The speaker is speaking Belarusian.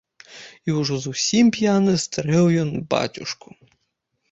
І ўжо зусім п'яны стрэў ён бацюшку.